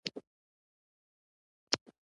ایا زه باید بهرنی سفر وکړم؟